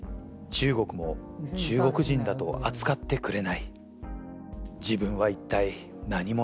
中国も中国人だと扱ってくれない。